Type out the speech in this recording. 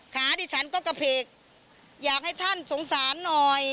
ขาดิฉันก็กระเพกอยากให้ท่านสงสารหน่อย